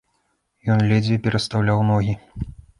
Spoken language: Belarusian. Ён ледзьве перастаўляў ногі.